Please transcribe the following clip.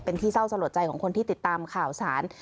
เป็นที่เศร้าสลดใจของคนที่ติดตามข่าวสาร